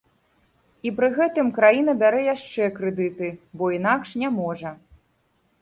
І пры гэтым краіна бярэ яшчэ крэдыты, бо інакш не можа.